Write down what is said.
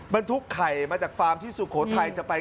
บรรทุกไข่มาจากฟาร์มที่สุโขทัยจะไป